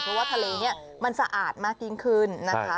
เพราะว่าทะเลนี้มันสะอาดมากยิ่งขึ้นนะคะ